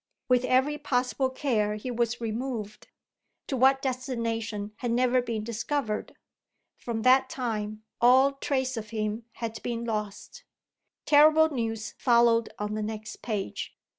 With every possible care, he was removed; to what destination had never been discovered. From that time, all trace of him had been lost. Terrible news followed on the next page.